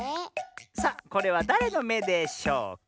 さあこれはだれのめでしょうか？